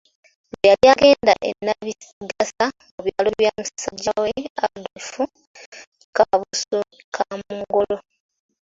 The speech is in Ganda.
Lwe yali agenda e Nnabigasa mu byalo bya musajja we Adolfu Kabuusu Kaamungolo.